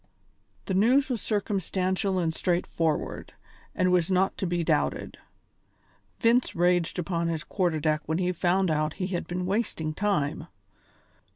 The news was circumstantial and straightforward, and was not to be doubted. Vince raged upon his quarter deck when he found out how he had been wasting time.